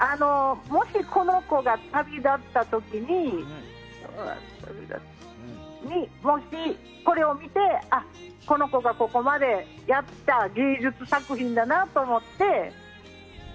もし、この子が旅立った時にこれを見て、この子がここまでやった芸術作品だなと思って。